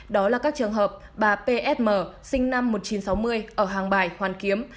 đó là các trường hợp bà p s m sinh năm một nghìn chín trăm sáu mươi ở hàng bài hoàn kiếm